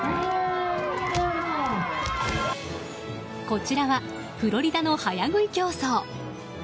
こちらはフロリダの早食い競争。